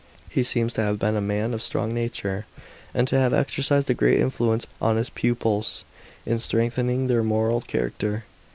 He seems to have been a man of strong nature, and to have exercised a great influence on his pupils in strengthening their moral character.